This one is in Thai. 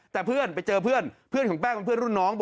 แต่เพื่อนไปเจอเพื่อนเพื่อนของแป้งเป็นเพื่อนรุ่นน้อง